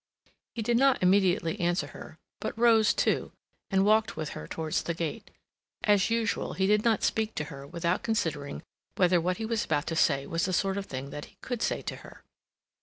He did not immediately answer her, but rose, too, and walked with her towards the gate. As usual, he did not speak to her without considering whether what he was about to say was the sort of thing that he could say to her.